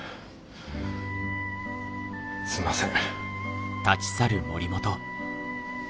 すんません。